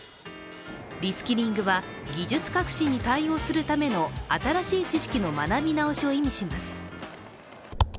リスキリングは技術革新に対応するための新しい知識の学び直しを意味します。